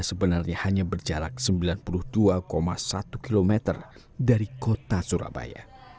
sebenarnya hanya berjarak sembilan puluh dua satu km dari kota surabaya